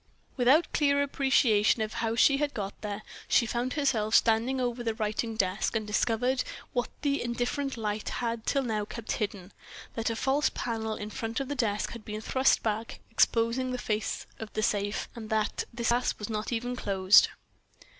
Without clear appreciation of how she had got there, she found herself standing over the writing desk, and discovered what the indifferent light had till now kept hidden, that a false panel in the front of the desk had been thrust back, exposing the face of the safe, and that this last was not even closed.